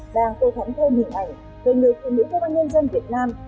đang cố gắng thêm hình ảnh về người phụ nữ công an nhân dân việt nam